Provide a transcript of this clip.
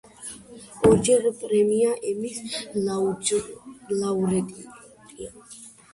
ორჯერ პრემია „ემის“ ლაურეატი.